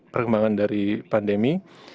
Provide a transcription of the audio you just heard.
perkembangan dari pandemi